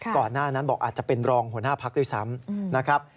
ก่อนหน้านั้นบอกอาจจะเป็นรองหัวหน้าภักดิ์ด้วยซ้ำ